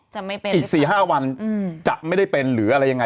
จะไม่เป็นอีก๔๕วันจะไม่ได้เป็นหรืออะไรยังไง